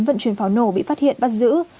vận chuyển pháo nổ bị phát hiện bắt giữ